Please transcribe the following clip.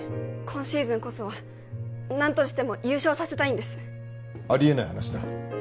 今シーズンこそは何としても優勝させたいんですありえない話だ